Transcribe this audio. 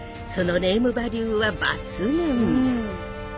そのネームバリューは抜群。